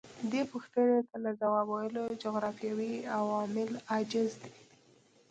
دې پوښتنې ته له ځواب ویلو جغرافیوي عوامل عاجز دي.